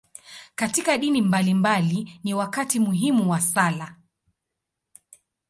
Katika dini mbalimbali, ni wakati muhimu wa sala.